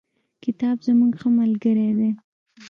کتاب زموږ ښه ملگری دی.